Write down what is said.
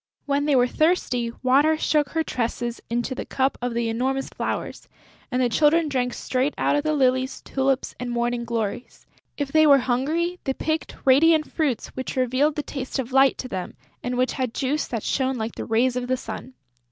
When they were thirsty, Water shook her tresses into the cup of the enormous flowers; and the Children drank straight out of the lilies, tulips and morning glories. If they were hungry, they picked radiant fruits which revealed the taste of Light to them and which had juice that shone like the rays of the sun.